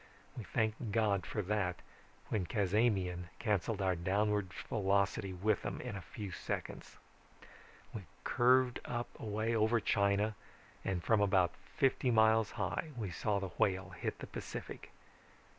We thanked God for that when Cazamian canceled our downwards velocity with them in a few seconds. We curved away up over China and from about fifty miles high we saw the Whale hit the Pacific.